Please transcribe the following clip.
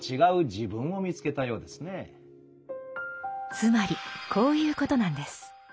つまりこういうことなんです。